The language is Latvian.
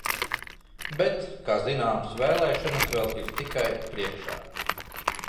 Bet, kā zināms, vēlēšanas vēl tikai priekšā.